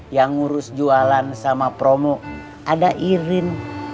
yang ngurus jualan sama promo ada irin